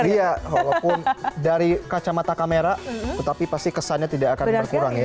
iya walaupun dari kacamata kamera tetapi pasti kesannya tidak akan berkurang ya